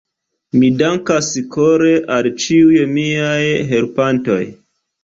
Mi dankas kore al ĉiuj miaj helpantoj.